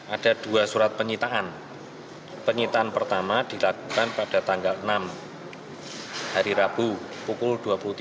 ada dua surat penyitaan penyitaan pertama dilakukan pada tanggal enam hari rabu pukul dua puluh tiga